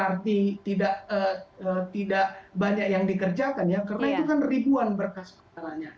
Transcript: berarti tidak banyak yang dikerjakan ya karena itu kan ribuan berkas perkaranya